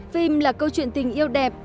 phim là câu chuyện tình yêu đẹp